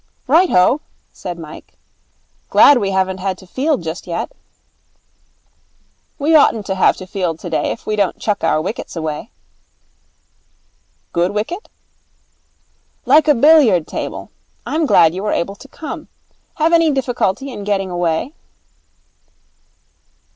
'Right ho,' said Mike. 'Glad we haven't to field just yet.' 'We oughtn't to have to field today if we don't chuck our wickets away.' 'Good wicket?' 'Like a billiard table. I'm glad you were able to come. Have any difficulty in getting away?'